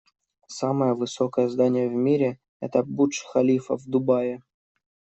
Самое высокое здание в мире - это Бурдж Халифа в Дубае.